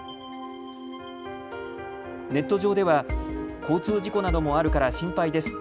ネット上では交通事故などもあるから心配です。